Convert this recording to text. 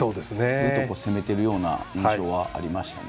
ずっと攻めているような印象がありましたね。